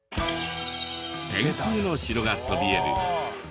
天空の城がそびえる大野市。